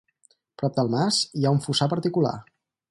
Prop del mas, hi ha un fossar particular.